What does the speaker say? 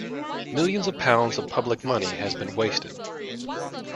Millions of pounds of public money has been wasted.